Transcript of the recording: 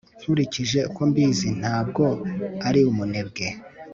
nkurikije uko mbizi, ntabwo ari umunebwe